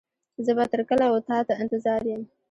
زه به تر کله و تا ته انتظار يم.